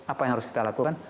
apa yang harus kita lakukan